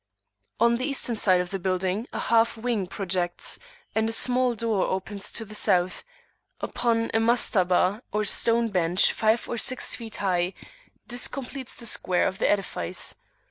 On the Eastern side of the building a half wing projects; and a small door opens to the South, upon a Mastabah or stone bench five or six feet high: this completes the square of the edifice.